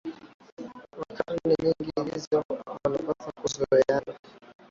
wa karne nyingi na kwa hiyo wakaweza kuzoeana